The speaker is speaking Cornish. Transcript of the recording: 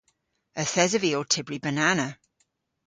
Yth esov vy ow tybri banana.